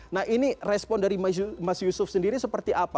nah ini respon dari mas yusuf sendiri seperti apa